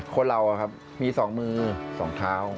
คนเราครับมีสองมือสองเท้า